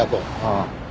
ああ。